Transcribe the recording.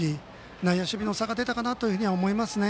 内野守備の差が出たかなとは思いますね。